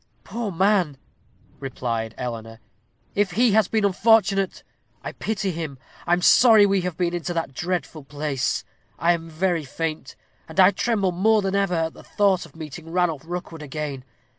"Poor man!" replied Eleanor; "if he has been unfortunate, I pity him. I am sorry we have been into that dreadful place. I am very faint: and I tremble more than ever at the thought of meeting Ranulph Rookwood again.